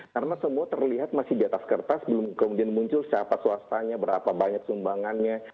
karena semua terlihat masih di atas kertas belum kemudian muncul siapa swastanya berapa banyak sumbangannya